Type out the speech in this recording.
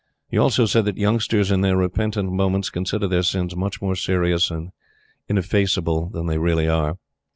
He also said that youngsters, in their repentant moments, consider their sins much more serious and ineffaceable than they really are.